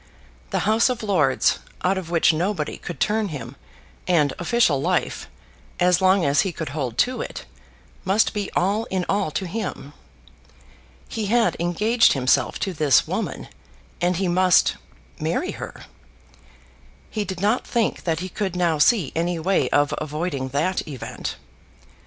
The House of Lords, out of which nobody could turn him, and official life, as long as he could hold to it, must be all in all to him. He had engaged himself to this woman, and he must marry her. He did not think that he could now see any way of avoiding that event.